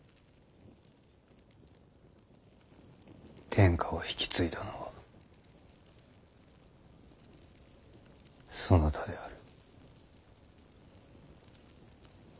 天下を引き継いだのはそなたである。